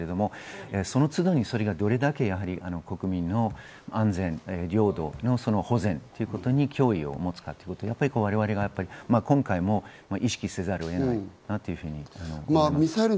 その都度、どれだけ国民の安全・領土の保全ということに脅威をもつか、我々が今回も意識せざるを得ないなと思います。